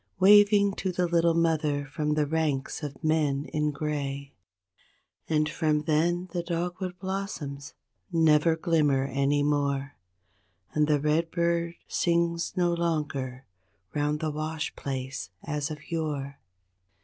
Waving to the little mother from the ranks of men in gray; And from then the dogwood blossoms never glimmer any more, And the redbird sings no longer 'round the wash place as of yore.